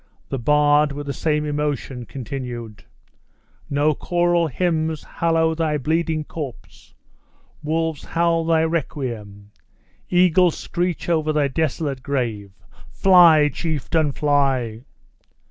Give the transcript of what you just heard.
The bard, with the same emotion, continued; "No choral hymns hallow thy bleeding corpse wolves howl thy requiem eagles scream over thy desolate grave! Fly, chieftain, fly!"